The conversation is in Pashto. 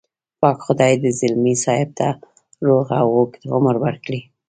پاک خدای دې ځلمي صاحب ته روغ او اوږد عمر ورکړي.